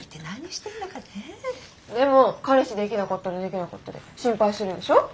でも彼氏できなかったらできなかったで心配するでしょう。